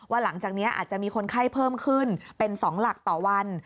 หลังจากนี้อาจจะมีคนไข้เพิ่มขึ้นเป็น๒หลักต่อวัน